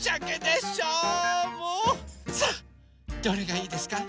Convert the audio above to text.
さあどれがいいですか？